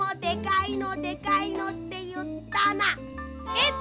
えっ！